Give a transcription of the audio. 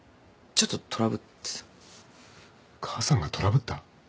母さんがトラブった？